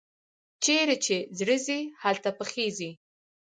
چیري چي زړه ځي، هلته پښې ځي.